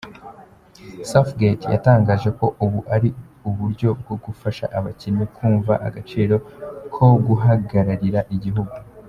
Southgate yatangaje ko ubu ari uburyo bwo gufasha abakinnyi kumva agaciro ko guhagararira igihugu.